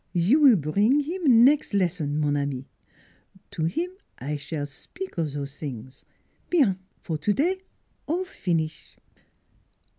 "You will bring him next lesson, mon ami. To him I shall spik of all zose sings. Bienf for today all ees feenish."